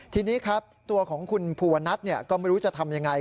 ทีนี้ครับตัวของคุณภูวนัทก็ไม่รู้จะทำยังไง